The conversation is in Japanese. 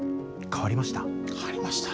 変わりました。